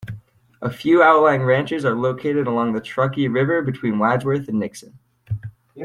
A few outlying ranches are located along the Truckee River between Wadsworth and Nixon.